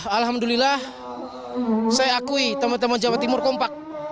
alhamdulillah saya akui teman teman jawa timur kompak